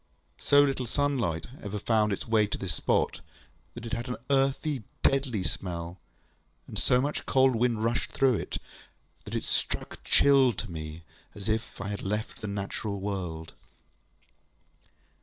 So little sunlight ever found its way to this spot, that it had an earthy, deadly smell; and so much cold wind rushed through it, that it struck chill to me, as if I had left the natural world.